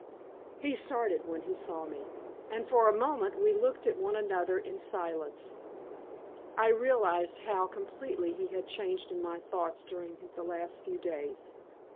He started when he saw me, and for a moment we looked at one another in silence. I realized then how completely he had changed in my thoughts during the last few days.